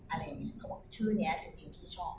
อะไรอย่างนี้เขาบอกชื่อนี้เป็นชื่อที่ชอบ